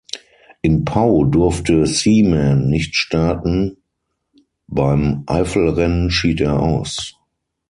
In Pau durfte Seaman nicht starten, beim Eifelrennen schied er aus.